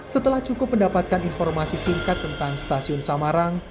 setelah cukup mendapatkan informasi singkat tentang stasiun samarang